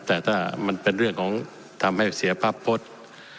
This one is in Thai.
แต่ถ้ามันเป็นเรื่องของทำให้เสียภาพพจน์